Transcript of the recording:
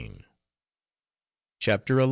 CHAPTER XI.